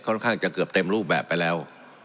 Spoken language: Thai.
ค่อนข้างจะเกือบเต็มรูปแบบไปแล้ว